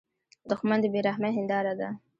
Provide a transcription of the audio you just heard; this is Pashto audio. دښمن د بې رحمۍ هینداره ده